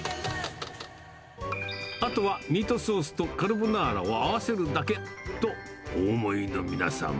あとはミートソースとカルボナーラを合わせるだけとお思いの皆様。